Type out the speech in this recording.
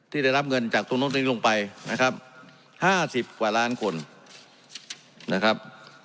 ที่ได้รับเงินจากตรงนี้ลงไปนะครับห้าสิบกว่าล้านคนนะครับ